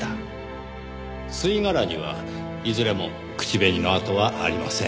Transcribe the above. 吸い殻にはいずれも口紅の跡はありません。